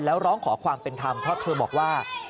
แล้วร้องขอความเป็นธรรมเพราะเธอบอกว่า